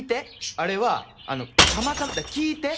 あれはあのたまたまだから聞いて！